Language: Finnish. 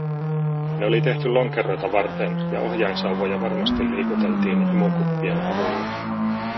Ne oli tehty lonkeroita varten, ja ohjainsauvoja varmasti liikuteltiin imukuppien avulla.